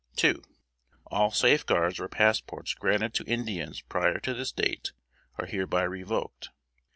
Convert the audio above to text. "II. All safe guards or passports granted to Indians prior to this date, are hereby revoked.